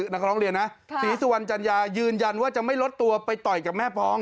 นักร้องเรียนนะศรีสุวรรณจัญญายืนยันว่าจะไม่ลดตัวไปต่อยกับแม่พ้อง